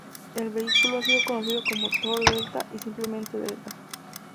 El vehículo ha sido conocido como Thor-Delta y simplemente Delta.